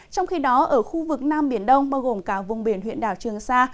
trong khi đó ở khu vực nam biển đông bao gồm cả vùng biển huyện đảo trường sa